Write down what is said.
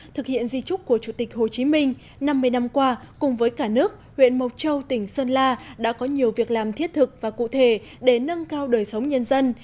thực hiện di trúc của chủ tịch hồ chí minh năm mươi năm qua cùng với cả nước huyện mộc châu tỉnh sơn la đã có nhiều việc làm thiết thực và cụ thể để nâng cao đời sống nhân dân